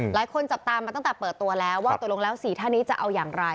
หลายคนจับตามาตั้งแต่เปิดตัวแล้วว่าตกลงแล้ว๔ท่านนี้จะเอาอย่างไร